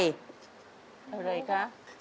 อะไรคะ